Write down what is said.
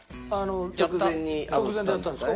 直前にあぶったんですかね。